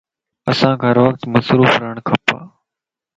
انسانک ھر وقت مصروف رھڻ کپ